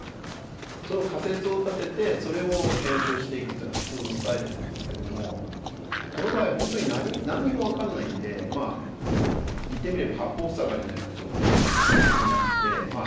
その仮説を立ててそれを検証していくっていうのは普通のスタイルなんですけどもこの場合本当に何にも分かんないんでまあ言ってみれば八方塞がりのような状態になってまあ